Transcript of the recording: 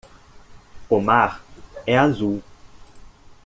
O mar é azul.